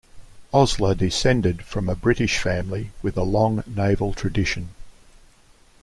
Osler descended from a British family with a long naval tradition.